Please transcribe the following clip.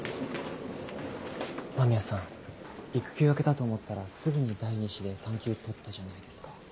間宮さん育休明けたと思ったらすぐに第２子で産休取ったじゃないですか。